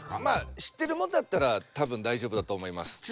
まあ知ってるものだったら多分大丈夫だと思います。